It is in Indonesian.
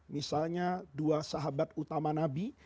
misalnya dua sahabat utama nabi